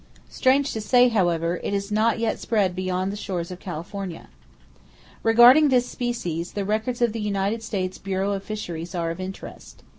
Strange to say, however, it has not yet spread beyond the shores of California. Regarding this species, the records of the United States Bureau of Fisheries are of interest.